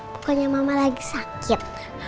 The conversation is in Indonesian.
pokoknya mama lagi sakit